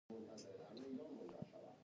مشران کوچنیانو ته دا ورښيي.